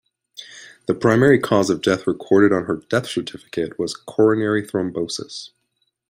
The primary cause of death recorded on her death certificate was coronary thrombosis.